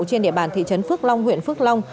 trên địa bàn thị trấn phước long huyện phước long